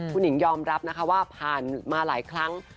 คุณหญิงยอมรับนะคะว่าผ่านมาหลายครั้ง